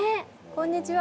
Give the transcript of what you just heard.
こんにちは。